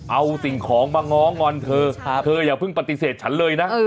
เอาสิ่งของมาง้องอนเธอเธออย่าเพิ่งปฏิเสธฉันเลยนะ